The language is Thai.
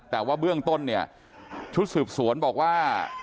แต่ว่าเบื้องต้นเนี่ยชุดสืบสวนบอกว่า